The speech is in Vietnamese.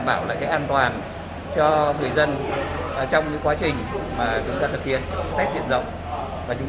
một số nơi do chưa đảm bảo an toàn cho người dân trong quá trình thực hiện test điện rộng chúng